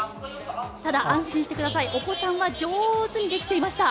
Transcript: ただ、安心してくださいお子さんは上手にできていました。